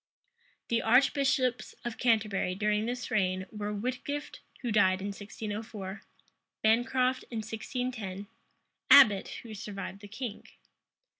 The archbishops of Canterbury during this reign were Whitgift, who died in 1604; Bancroft, in 1610; Abbot, who survived the king.